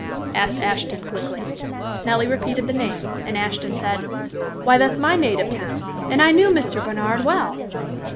asked Ashton quickly. Nellie repeated the name and Ashton said, "Why, that's my native town, and I knew Mr. Barnard well."